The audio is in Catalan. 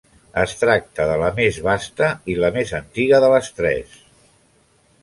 Es tracta de la més vasta i de la més antiga de les tres.